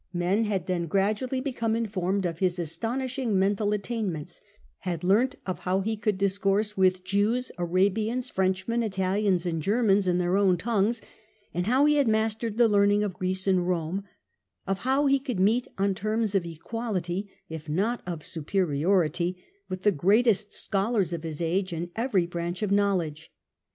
Men had then gradually become informed of his astonishing mental attainments, had learnt of how he could discourse with Jews, Arabians, Frenchmen, Italians and Germans in their own tongues, of how he had mastered the learning of Greece and Rome, of how he could meet on terms of equality, if not of superiority, with the greatest scholars of his age in every branch of knowledge.